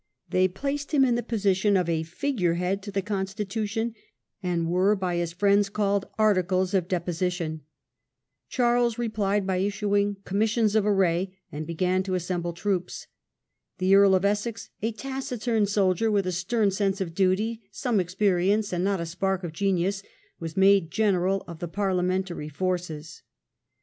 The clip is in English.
They placed him in the position of a figure head to the constitution, and were by his friends called " Articles of Deposition ". Charles replied by issuing " commissions of array ", and began to assemble troops. The Earl of Essex, a taciturn soldier, with a stern sense of duty, some experience, and not a spark of genius, was made general of the Parlia mentary forces.